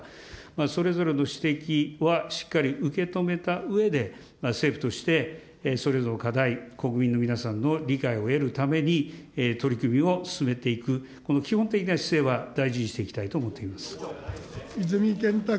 それぞれの指摘はしっかり受け止めたうえで、政府としてそれぞれの課題、国民の皆さんの理解を得るために、取り組みを進めていく、この基本的な姿勢は大事にしていきたいと泉健太君。